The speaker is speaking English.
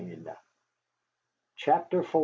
CHAPTER IV.